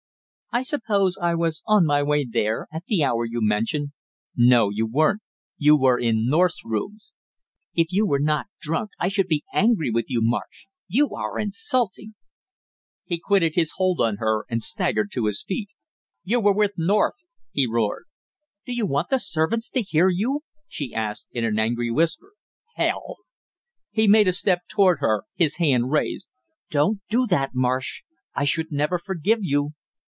"I suppose I was on my way there at the hour you mention." "No, you weren't; you were in North's rooms!" "If you were not drunk, I should be angry with you, Marsh, you are insulting " He quitted his hold on her and staggered to his feet. "You were with North " he roared. "Do you want the servants to hear you?" she asked in an angry whisper. "Hell!" He made a step toward her, his hand raised. "Don't do that, Marsh. I should never forgive you!"